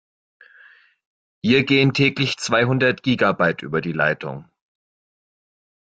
Hier gehen täglich zweihundert Gigabyte über die Leitung.